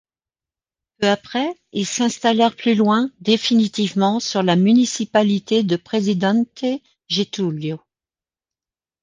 Peu après, il s'installèrent plus loin, définitivement, sur la municipalité de Presidente Getúlio.